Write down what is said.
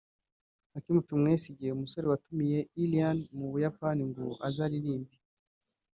Hakim Tumwesigiye(umusore watumiye Iryn mu Buyapani ngo aze aririmbe)